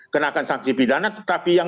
kenakan sanksi pidana tetapi yang